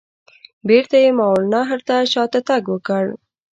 بیرته یې ماوراء النهر ته شاته تګ وکړ.